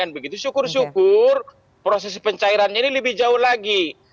begitu syukur syukur proses pencairannya ini lebih jauh lagi